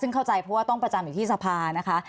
ซึ่งเข้าใจเพราะว่าต้องประจำอยู่ที่สภานะคะ